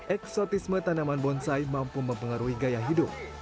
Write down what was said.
eksotisme tanaman bonsai mampu mempengaruhi gaya hidup